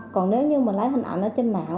còn nếu như mình lấy hình ảnh ở trên mạng